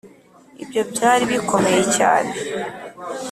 ibyo byari bikomeye cyane.